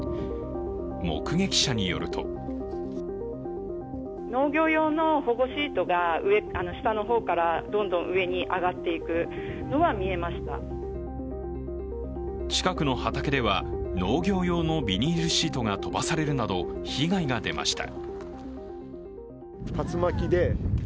目撃者によると近くの畑では農業用のビニールシートが飛ばされるなど、被害が出ました。